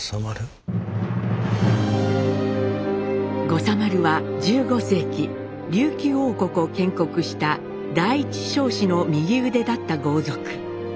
護佐丸は１５世紀琉球王国を建国した第一尚氏の右腕だった豪族。